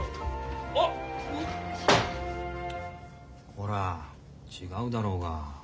こら違うだろうが。